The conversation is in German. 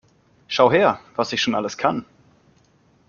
Schau her, was ich schon alles kann!